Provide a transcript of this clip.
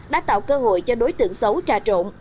đã tạo cơ hội cho đối tượng xấu trà trộn